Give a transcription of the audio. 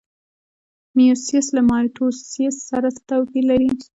میوسیس له مایټوسیس سره څه توپیر لري؟